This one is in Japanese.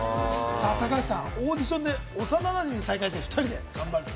高橋さん、オーディションで幼なじみと再会する、２人で頑張る。